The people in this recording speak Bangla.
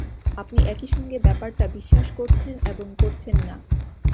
আপনি একই সঙ্গে ব্যাপারটা বিশ্বাস করছেন এবং করছেন না।